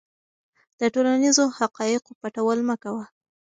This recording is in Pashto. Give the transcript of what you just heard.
د ټولنیزو حقایقو پټول مه کوه.